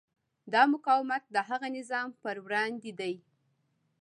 دا مقاومت د هغه نظام پر وړاندې دی.